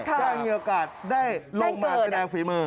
ได้มีโอกาสได้ลงมาแสดงฝีมือ